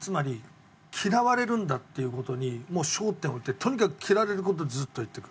つまり嫌われるんだっていう事にもう焦点を置いてとにかく嫌われる事をずっと言っていく。